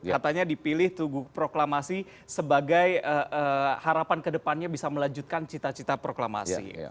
katanya dipilih tugu proklamasi sebagai harapan kedepannya bisa melanjutkan cita cita proklamasi